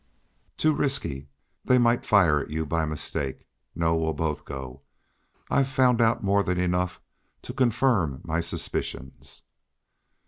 "Too risky. They might fire at you by mistake. No. We'll both go. I've found out more than enough to confirm my suspicions."